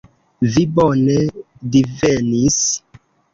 Vi bone divenis.